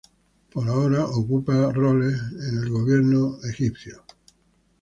Por ahora, ocupa roles en el Gobierno Saudita.